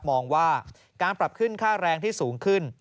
มองว่าการปรับขึ้นค่าแรงที่สูงขึ้น